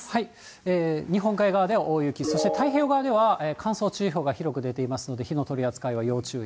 日本海側では大雪、そして太平洋側では乾燥注意報が広く出ていますので、火の取り扱いは要注意。